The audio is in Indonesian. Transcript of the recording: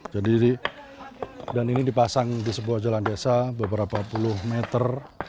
jadi dan ini dipasang di sebuah jalan desa beberapa puluh meter